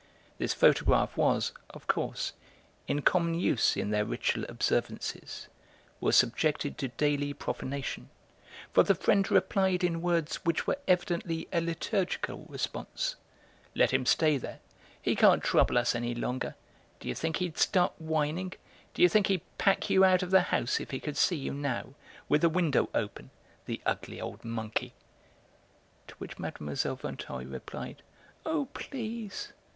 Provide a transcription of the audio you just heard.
This photograph was, of course, in common use in their ritual observances, was subjected to daily profanation, for the friend replied in words which were evidently a liturgical response: "Let him stay there. He can't trouble us any longer. D'you think he'd start whining, d'you think he'd pack you out of the house if he could see you now, with the window open, the ugly old monkey?" To which Mlle. Vinteuil replied, "Oh, please!"